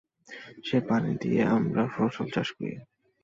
সেই পানি দিয়ে আমরা ফসল চাষ করি।